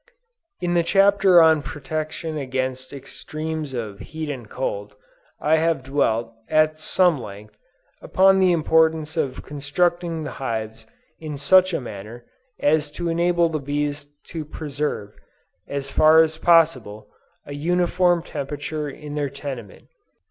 In the chapter on protection against extremes of heat and cold, I have dwelt, at some length, upon the importance of constructing the hives in such a manner as to enable the bees to preserve, as far as possible, a uniform temperature in their tenement.